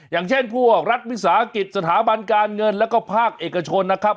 อย่างเช่นพวกรัฐวิสาหกิจสถาบันการเงินแล้วก็ภาคเอกชนนะครับ